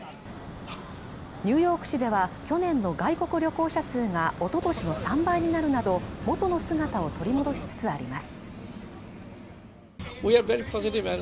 ニューヨーク市では去年の外国旅行者数がおととしの３倍になるなど元の姿を取り戻しつつあります